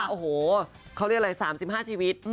โอ้โหเขาเรียกอะไร๓๕ชีวิต